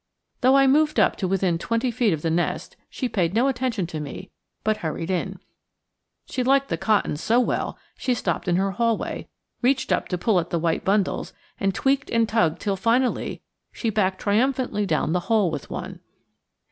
Though I moved up to within twenty feet of the nest, she paid no attention to me but hurried in. She liked the cotton so well she stopped in her hallway, reached up to pull at the white bundles, and tweaked and tugged till, finally, she backed triumphantly down the hole with one.